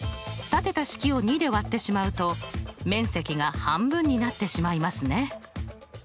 立てた式を２で割ってしまうと面積が半分になってしまいますね。